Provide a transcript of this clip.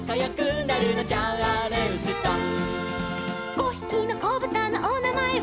「５ひきのこぶたのおなまえは」